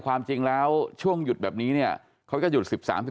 ความจริงแล้วช่วงหยุดแบบนี้เนี่ยเขาจะหยุด๑๓๑